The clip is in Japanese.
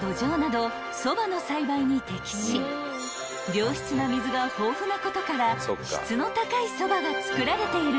［良質な水が豊富なことから質の高いソバが作られているんです］